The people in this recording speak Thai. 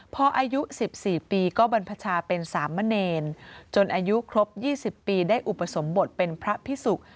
พออายุ๑๔ปีก็บรรพชาเป็นสามเณรจนอายุครบ๒๐ปีได้อุปสมบทเป็นพระพิสุก